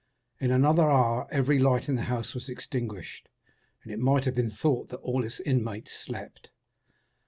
In another hour every light in the house was extinguished, and it might have been thought that all its inmates slept.